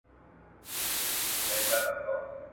د شته من پر کور یو وخت د غم ناره سوه ..